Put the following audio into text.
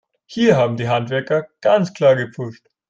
Hier haben die Handwerker ganz klar gepfuscht.